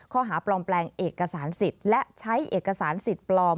ข้อหาปลอมแปลงเอกสารสิทธิ์และใช้เอกสารสิทธิ์ปลอม